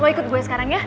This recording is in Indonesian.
lo ikut gue sekarang ya